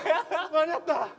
間に合った？